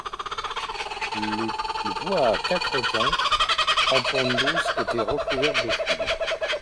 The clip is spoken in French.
Le toit à quatre pans, en pente douce, était recouvert de tuiles.